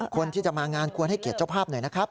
คนที่จะมางานควรให้เกียรติเจ้าภาพหน่อยนะครับ